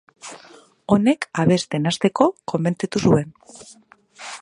Honek abesten hasteko konbentzitu zuen.